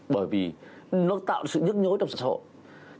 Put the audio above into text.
bởi vì nó tạo ra sự nhức nhối trong sự sở hội